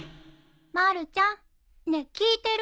まるちゃんねえ聞いてる？